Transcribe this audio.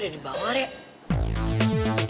di bawah raya